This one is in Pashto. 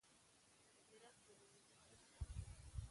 چې د هرات قول اردو کې